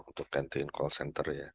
untuk gantiin call center ya